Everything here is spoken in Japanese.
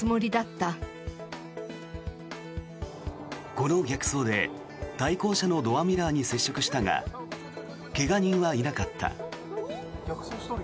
この逆走で対向車のドアミラーに接触したが怪我人はいなかった。